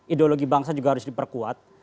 ideologi bangsa juga harus diperkuat